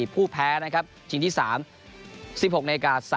ผู้แพ้จริงที่๓๑๖น๓๐น